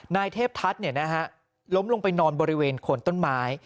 นายเทพทัศน์ล้มลงไปนอนบริเวณโคนต้นไม้